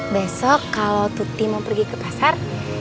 besok kalau tuti mau pergi ke pasar